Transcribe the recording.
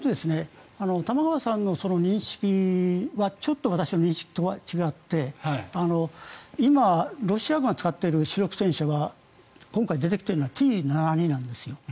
玉川さんの認識はちょっと私の認識とは違って今、ロシア軍が使っている主力戦車が今回、出てきているのはＴ７２なんですよ。